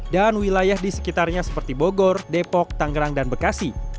dan wilayah di sekitarnya seperti bogor depok tangerang dan bekasi